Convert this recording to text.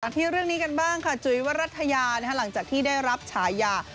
ที่เรื่องนี้กันบ้างค่ะจุ๋ยวรัฐยาหลังจากที่ได้รับฉายา